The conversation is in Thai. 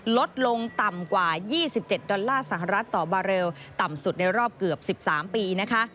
ลดลงต่ำกว่า๒๗ดอลลาร์สหรัฐต่อบาเรลต่ำสุดในรอบเกือบ๑๓ปีนะคะ